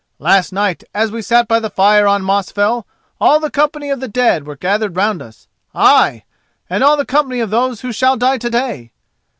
Last night as we sat by the fire on Mosfell all the company of the dead were gathered round us—ay! and all the company of those who shall die to day.